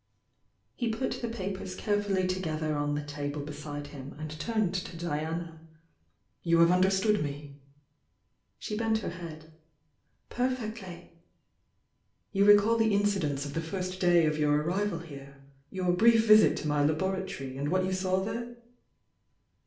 " He put the papers carefully together on the table beside him, and turned to Diana. "You have understood me?" She bent her head. "Perfectly!" "You recall the incidents of the first day of your arrival here?— your brief visit to my laboratory, and what you saw there?"